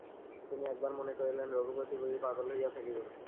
তিনি একবার মনে করিলেন, রঘুপতি বুঝি পাগল হইয়া থাকিবেন।